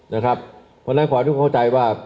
เพราะฉะนั้นความทุกข์เข้าใจว่า